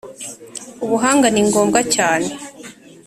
Ubuhanga ni ngombwa cyane